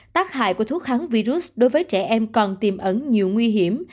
tác hại của thuốc kháng virus đối với trẻ em còn tiềm ẩn nhiều nguy hiểm